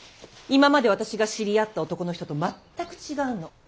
今まで私が知り合った男の人と全く違うの。